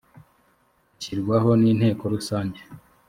ashyirwaho n inteko rusange